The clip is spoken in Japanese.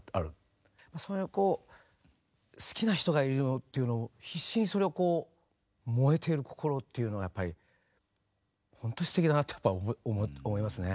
それをこう好きな人がいるよっていうのを必死にそれをこう燃えてる心っていうのはやっぱりほんとにすてきだなってやっぱ思いますね。